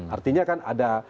artinya kan ada